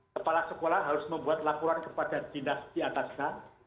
kepala sekolah harus membuat laporan kepada dinas diatasnya